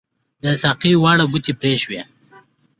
د ساقۍ واړه ګوتې پري شوي